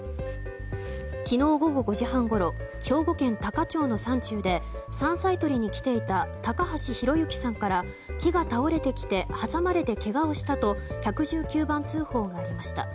昨日午後５時半ごろ兵庫県多可町の山中で山菜とりに来ていた高橋博幸さんから木が倒れてきて挟まれてけがをしたと１１９番通報がありました。